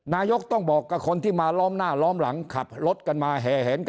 นายกต้องบอกกับคนที่มาล้อมหน้าล้อมหลังขับรถกันมาแห่แหงกัน